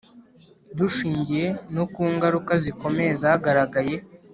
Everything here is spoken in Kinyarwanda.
Dushingiye no kungaruka zikomeye zagaragaye